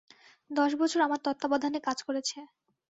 দশবছর আমার তত্ত্বাবধানে কাজ করেছে।